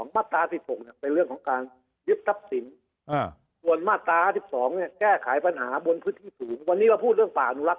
ป้าตา๔๖เป็นเรื่องของการยึดทรัพย์สินคนมาตรา๑๒แก้ไขภัญหาบนพื้นที่สูง